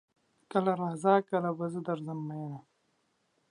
کله راځه کله به زه درځم میینه